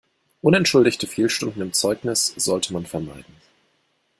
Unentschuldigte Fehlstunden im Zeugnis sollte man vermeiden.